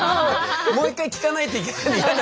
もう一回聞かないといけないの嫌だけどね。